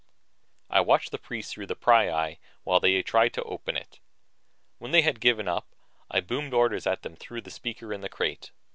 I watched the priests through the pryeye while they tried to open it. When they had given up, I boomed orders at them through a speaker in the crate.